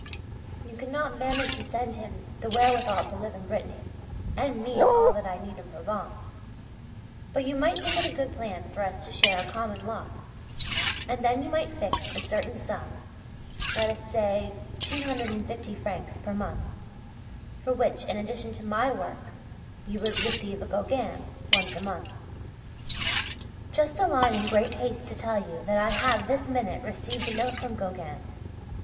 You cannot manage to send him the wherewithal to live in Brittany, and me all that I need in Provence; but you might think it a good plan for us to share a common lot, and then you might fix a certain sum (let us say 250 francs per month) for which, in addition to my work, you would receive a Gauguin once a month. Just a line in great haste to tell you that I have this minute received a note from Gauguin.